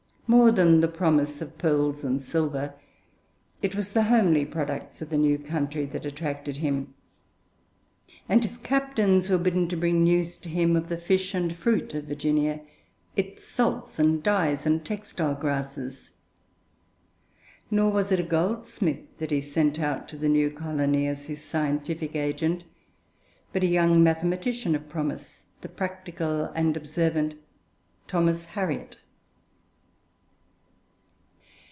More than the promise of pearls and silver, it was the homely products of the new country that attracted him, and his captains were bidden to bring news to him of the fish and fruit of Virginia, its salts and dyes and textile grasses. Nor was it a goldsmith that he sent out to the new colony as his scientific agent, but a young mathematician of promise, the practical and observant Thomas Hariot.